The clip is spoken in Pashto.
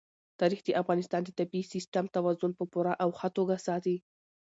تاریخ د افغانستان د طبعي سیسټم توازن په پوره او ښه توګه ساتي.